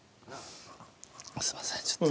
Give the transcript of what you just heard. すみませんちょっと。